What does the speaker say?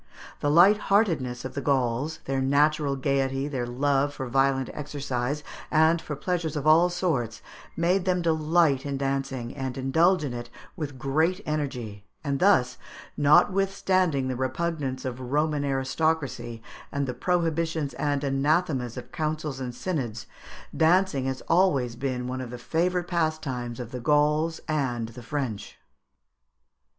The lightheartedness of the Gauls, their natural gaiety, their love for violent exercise and for pleasures of all sorts, made them delight in dancing, and indulge in it with great energy; and thus, notwithstanding the repugnance of the Roman aristocracy and the prohibitions and anathemas of councils and synods, dancing has always been one of the favourite pastimes of the Gauls and the French.